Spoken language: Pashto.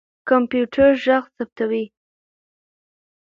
کمپيوټر ږغ ثبتوي.